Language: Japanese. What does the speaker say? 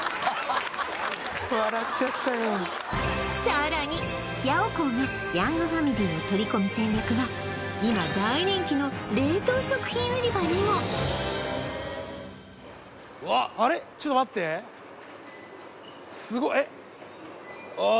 さらにヤオコーがヤングファミリーを取り込む戦略は今大人気の冷凍食品売り場にもあれっちょっと待ってすごえっああ